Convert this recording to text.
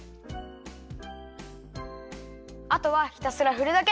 あとはひたすらふるだけ。